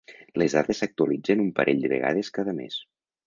Les dades s’actualitzen un parell de vegades cada mes.